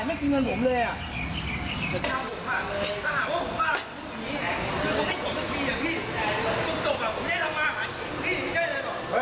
ไม่กินเงินผมเลยอ่ะ